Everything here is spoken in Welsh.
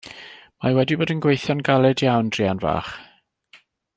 Ma' hi wedi bod yn gweithio'n galed iawn druan fach.